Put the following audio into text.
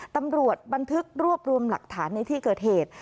ตำรวจบันทึกรวบรวมหลักฐานในที่เกิดเหตุ